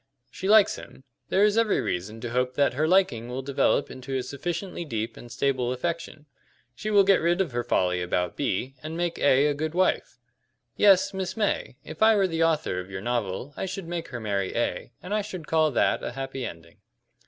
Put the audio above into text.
She likes him. There is every reason to hope that her liking will develop into a sufficiently deep and stable affection. She will get rid of her folly about B, and make A a good wife. Yes, Miss May, if I were the author of your novel I should make her marry A, and I should call that a happy ending."